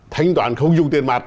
thanh toán không dùng tiền mặt